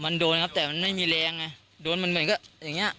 มันโดนครับแต่มันไม่มีแรงไงโดนมันเหมือนก็อย่างเงี้